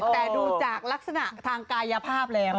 แต่ดูจากลักษณะทางกายภาพแล้ว